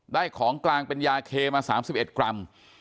ของกลางเป็นยาเคมา๓๑กรัม